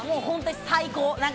最高。